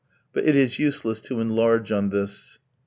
But it is useless to enlarge on this.